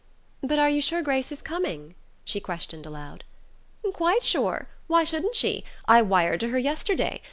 "But are you sure Grace is coming?" she questioned aloud. "Quite sure. Why shouldn't she? I wired to her yesterday.